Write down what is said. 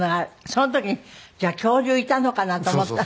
その時にじゃあ恐竜いたのかなと思った。